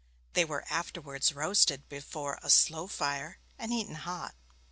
They were afterwards roasted before a slow fire, and eaten hot.